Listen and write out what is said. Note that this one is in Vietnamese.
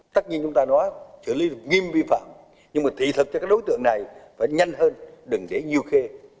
tất nhiên chúng ta nói xử lý nghiêm vi phạm nhưng mà thị thực cho các đối tượng này phải nhanh hơn đừng dễ nhiều khê